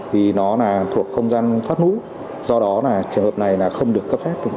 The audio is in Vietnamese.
vì nó thuộc không gian thoát núi do đó trường hợp này không được cấp phép